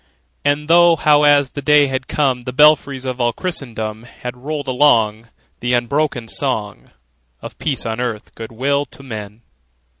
And thought how, as the day had come, The belfries of all Christendom Had rolled along The unbroken song Of peace on earth, good will to men!